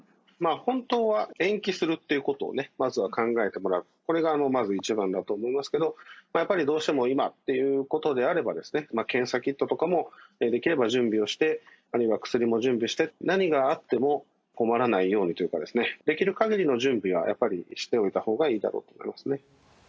本当は延期するっていうことをまずは考えてもらう、これがまず一番だと思いますけど、やっぱりどうしても今っていうことであれば、検査キットとかも、できれば準備をして、あるいは薬も準備して、何があっても困らないようにというか、できるかぎりの準備はやっぱりしておいたほうがいいだろうと思い